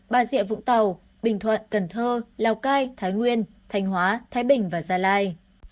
ba diệp vũng tàu bình thuận cần thơ lào cai thái nguyên thành hóa thái bình và gia lai